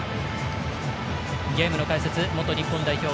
ゲームの解説元日本代表